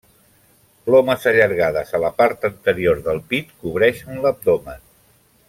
Plomes allargades a la part anterior del pit cobreixen l'abdomen.